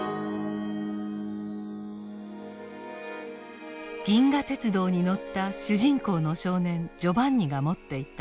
銀河鉄道に乗った主人公の少年ジョバンニが持っていた謎の切符。